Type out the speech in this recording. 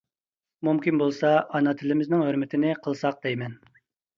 مۇمكىن بولسا، ئانا تىلىمىزنىڭ ھۆرمىتىنى قىلساق دەيمەن.